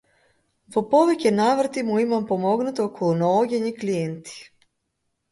Во повеќе наврати му имам помогнато околу наоѓање клиенти.